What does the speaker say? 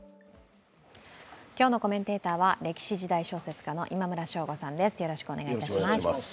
今日のコメンテーターは歴史・時代小説家の今村翔吾さんです。